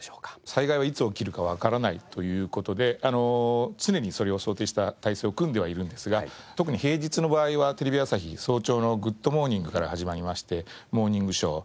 災害はいつ起きるかわからないという事で常にそれを想定した体制を組んではいるんですが特に平日の場合はテレビ朝日早朝の『グッド！モーニング』から始まりまして『モーニングショー』